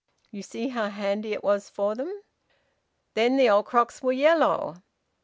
You see how handy it was for them." "Then the old crocks were yellow?"